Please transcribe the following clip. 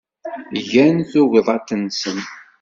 Gan tuɣdaṭ-nsen.